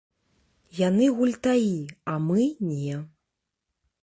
Яны гультаі, а мы не.